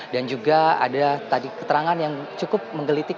dan juga ada tadi keterangan yang cukup menggelitik